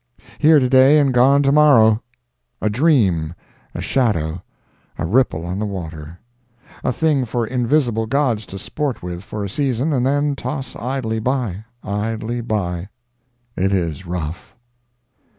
Here to day and gone to morrow. A dream—a shadow—a ripple on the water—a thing for invisible gods to sport with for a season and then toss idly by—idly by. It is rough.